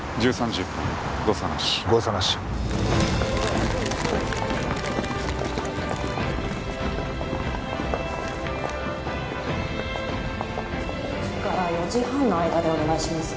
１０時から４時半の間でお願いします。